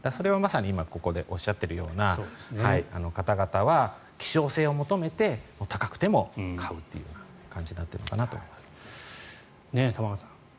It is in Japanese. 今、おっしゃっているような方々は希少性を求めて高くても買うという感じになっているのかなと思います。